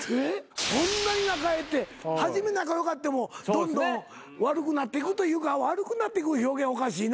そんなに仲ええって初め仲良かってもどんどん悪くなっていくというか悪くなっていく表現はおかしいな。